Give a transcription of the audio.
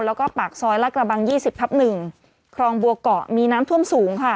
แล้วก็ปากซอยลาดกระบัง๒๐ทับ๑คลองบัวเกาะมีน้ำท่วมสูงค่ะ